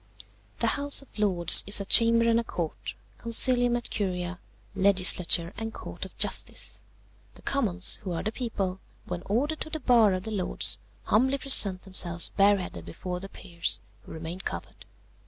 "The House of Lords is a chamber and a court, Concilium et Curia, legislature and court of justice. The Commons, who are the people, when ordered to the bar of the Lords, humbly present themselves bareheaded before the peers, who remain covered.